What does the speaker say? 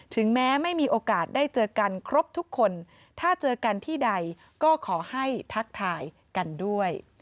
ถึงแม้ไม่มีโอกาสได้เจอกันครบทุกคนถ้าเจอกันที่ใดก็ขอให้ทักทายกันด้วย